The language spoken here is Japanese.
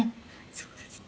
「そうですね」